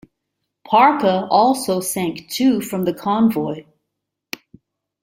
"Parche" also sank two from the convoy.